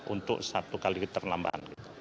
untuk satu kali terlambat